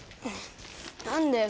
何だよ